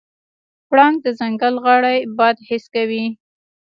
پړانګ د ځنګل غلی باد حس کوي.